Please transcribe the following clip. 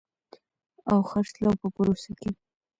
او خرڅلاو په پروسه کې